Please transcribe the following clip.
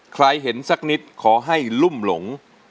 ใครเห็นสักนิดขอให้ลุ่มหลง